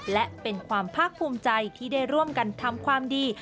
และเป็นความภาคภูมิใจที่ได้ร่วมกันทำความดี